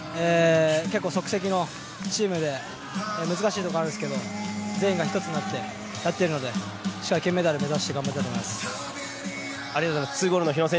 結構、即席のチームで難しいところはあるんですけど全員が一つになってやっているのでしっかり金メダル目指して頑張りたいと思います。